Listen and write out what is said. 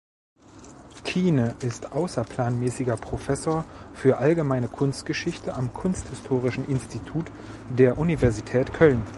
Kiene ist außerplanmäßiger Professor für Allgemeine Kunstgeschichte am Kunsthistorischen Institut der Universität Köln.